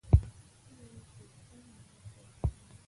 له يوې کوټې بل څراغ راووت.